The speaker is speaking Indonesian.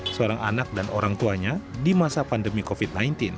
seorang anak dan orang tuanya di masa pandemi covid sembilan belas